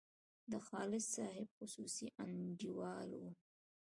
د خالص صاحب خصوصي انډیوال وو.